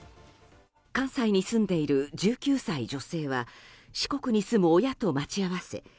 関西に住んでいる１９歳女性は四国に住む親と待ち合わせ